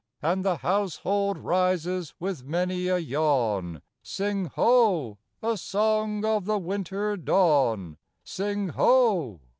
And the household rises with many a yawn Sing, Ho, a song of the winter dawn! Sing, Ho!